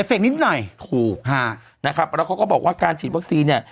เอฟเฟกต์นิดหน่อยนะครับแล้วเขาก็บอกว่าการฉีดวัคซีนเนี่ย